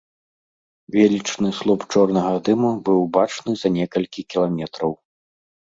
Велічэзны слуп чорнага дыму быў бачны за некалькі кіламетраў.